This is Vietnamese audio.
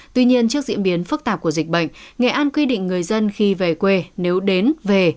tuy nhiên trước diễn biến phức tạp của dịch bệnh nghệ an quy định người dân khi về quê nếu đến về